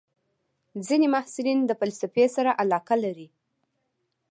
ځینې محصلین د فلسفې سره علاقه لري.